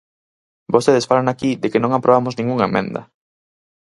Vostedes falan aquí de que non aprobamos ningunha emenda.